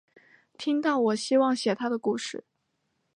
听到我希望写她的故事